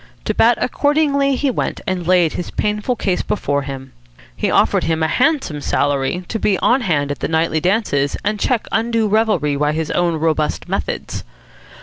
To Bat accordingly he went, and laid his painful case before him. He offered him a handsome salary to be on hand at the nightly dances and check undue revelry by his own robust methods.